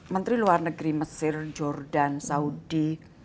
menteri luar negeri mesir jordan saudi